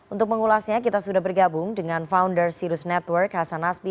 untuk mengulasnya kita sudah bergabung dengan founder sirus network hasan nasbi